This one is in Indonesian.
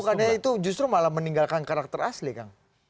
bukannya itu justru malah meninggalkan karakter asli kang